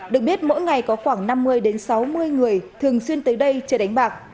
được biết mỗi ngày có khoảng năm mươi sáu mươi người thường xuyên tới đây chơi đánh bạc